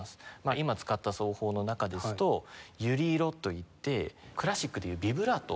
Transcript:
今使った奏法の中ですと揺り色といってクラシックでいうビブラートのような奏法。